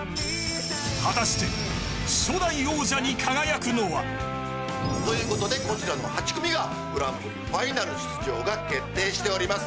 果たして、初代王者に輝くのは。ということで、こちらの８組がグランプリファイナル出場が決定しております。